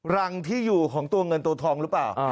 รังที่อยู่ของตัวเงินตัวทองหรือเปล่า